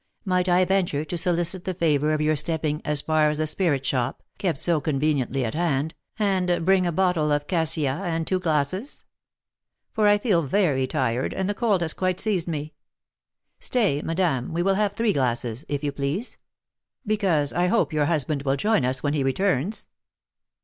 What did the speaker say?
Might I venture to solicit the favour of your stepping as far as the spirit shop, kept so conveniently at hand, and bring a bottle of cassia and two glasses? For I feel very tired, and the cold has quite seized me. Stay, madame, we will have three glasses, if you please; because I hope your husband will join us when he returns."